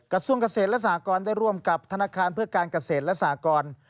กระทรวงเกษตรและสหกรได้ร่วมกับธนาคารเพื่อการเกษตรและสากร